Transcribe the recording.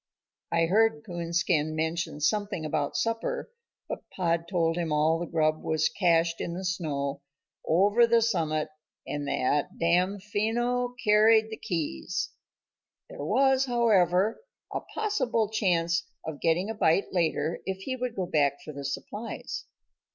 I heard Coonskin mention something about supper, but Pod told him all the grub was cachéd in the snow over the summit and that Damfino carried the keys; there was, however, a possible chance of getting a bite later if he would go back for the supplies.